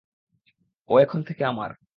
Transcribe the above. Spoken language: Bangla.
ও এখন থেকে আমার!